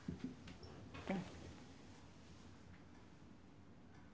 うん。